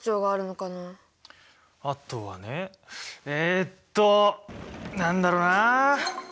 あとはねえっと何だろうなあ。